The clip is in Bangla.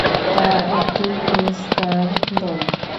তা একটি ফেরেস্তার দল।